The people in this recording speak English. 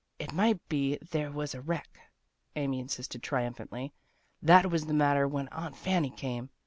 " It might be if there was a wreck," Amy insisted triumphantly. " That was the matter when Aunt Fanny came.